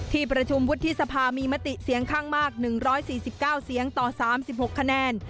ที่ประชุมวุฒิสภามีมติเสียงข้างมาก๑๔๙เสียงต่อ๓๖คะแนน